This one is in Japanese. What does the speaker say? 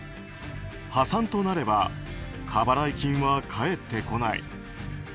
破産となれば過払い金は返ってこない。